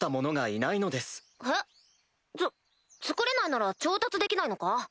つつくれないなら調達できないのか？